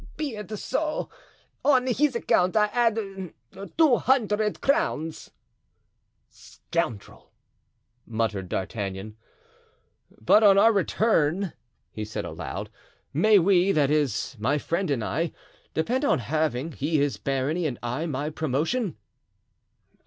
"Be it so! on his account I add two hundred crowns." "Scoundrel!" muttered D'Artagnan. "But on our return," he said aloud, "may we, that is, my friend and I, depend on having, he his barony, and I my promotion?"